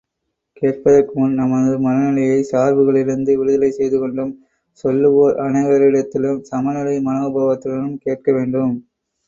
கேட்பதற்குமுன் நமது மனநிலையைச் சார்புகளிலிருந்து விடுதலை செய்து கொண்டும், சொல்லுவோர் அனைவரிடத்திலும் சமநிலை மனோபாவத்துடனும் கேட்க வேண்டும்.